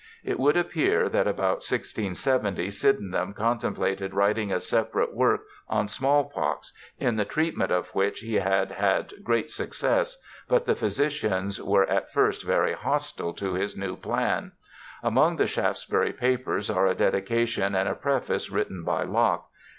It would appear that about 1670 Syden ham contemplated writing a separate work on small pox, in the treatment of which he had had great success, but the physicians were at first very hostile to his new plan. Among the Shaftesbury papers are a dedication and a preface written by Locke.